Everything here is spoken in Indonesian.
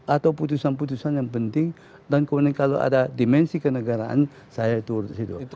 atau putusan putusan yang penting dan kemudian kalau ada dimensi kenegaraan saya turut di situ